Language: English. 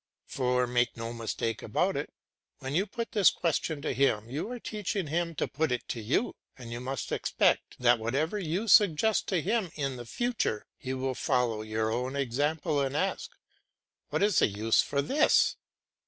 For, make no mistake about it, when you put this question to him, you are teaching him to put it to you, and you must expect that whatever you suggest to him in the future he will follow your own example and ask, "What is the use of this?"